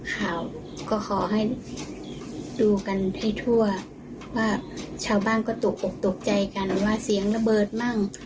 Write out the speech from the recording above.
ข่าวก็ขอให้ดูกันให้ทั่วว่าชาวบ้านก็ตกออกตกใจกันว่าเสียงระเบิดมั่ง